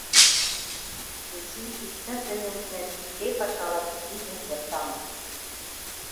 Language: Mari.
Вес ий, иктаж дене ушнен, шке пашалан пижын кертам...